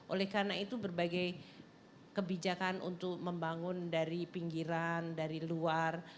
oleh karena itu berbagai kebijakan untuk membangun dari pinggiran dari luar